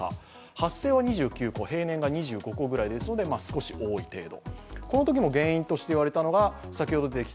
発生は２９個、平年は２５個くらいですので、少し多い程度。